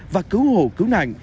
và cứu hồ cứu nạn